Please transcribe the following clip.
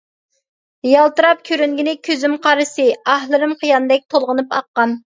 يالتىراپ كۆرۈنگىنى كۆزۈم قارىسى، ئاھلىرىم قىياندەك تولغىنىپ ئاققان.